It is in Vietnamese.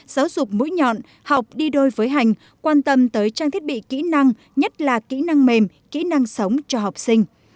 giáo dục mũi nhọn học đi đôi với hành quan tâm tới trang thiết bị kỹ năng nhất là kỹ năng mềm kỹ năng sống cho học sinh